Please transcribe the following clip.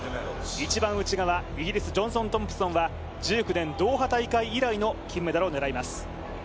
一番内側、イギリス、ジョンソン・トンプソンは１９年ドーハ大会以来の金メダルを狙います。